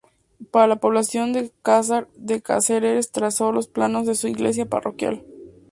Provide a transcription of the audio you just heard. Para la población de Casar de Cáceres trazó los planos de su Iglesia Parroquial.